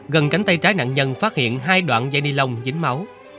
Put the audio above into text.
gần cánh tay trái nạn nhân phát hiện hai đoạn dây ni lông dính máu